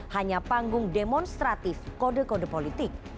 hanya panggung demonstratif kode kode politik